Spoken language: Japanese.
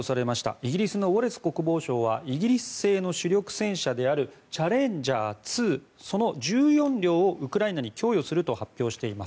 イギリスのウォレス国防相はイギリス製の主力戦車であるチャレンジャー２その１４両をウクライナに供与すると発表しています。